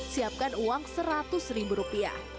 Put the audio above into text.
siapkan uang rp seratus